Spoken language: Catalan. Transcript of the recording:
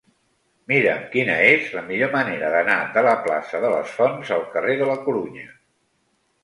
Mira'm quina és la millor manera d'anar de la plaça de les Fonts al carrer de la Corunya.